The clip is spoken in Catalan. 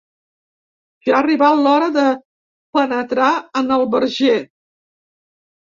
Ja ha arribat l'hora de penetrar en el verger.